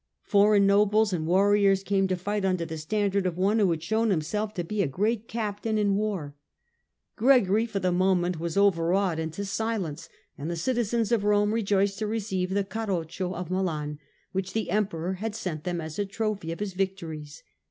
Foreign nobles and warriors came to fight under the standard of one who had shown himself to be a great captain in 156 STUPOR MUNDI war. Gregory for the moment was overawed into silence, and the citizens of Rome rejoiced to receive the Carroccio of Milan, which the Emperor had sent them as a trophy of his victories.